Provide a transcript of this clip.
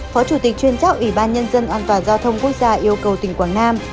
phó chủ tịch chuyên gia ủy ban nhân dân an toàn giao thông quốc gia yêu cầu tỉnh quảng nam